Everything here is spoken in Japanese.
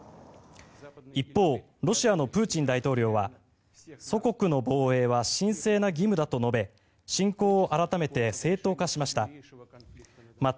一方、ロシアのプーチン大統領は祖国の防衛は神聖な義務だと述べ侵攻を改めて正当化しました。